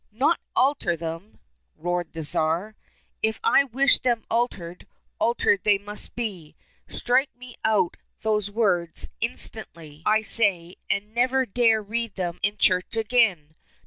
—" Not alter them !" roared the Tsar ;" if I wish them altered, altered they must be. Strike me out those words instantly, I 173 COSSACK FAIRY TALES say, and never dare read them in church again.